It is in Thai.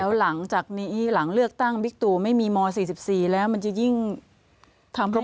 แล้วหลังจากนี้หลังเลือกตั้งบิ๊กตูไม่มีม๔๔แล้วมันจะยิ่งทำเพราะ